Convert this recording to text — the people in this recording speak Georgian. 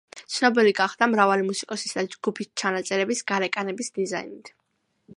ცნობილი გახდა მრავალი მუსიკოსის და ჯგუფის ჩანაწერების გარეკანების დიზაინით.